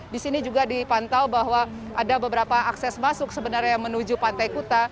di sini juga dipantau bahwa ada beberapa akses masuk sebenarnya yang menuju pantai kuta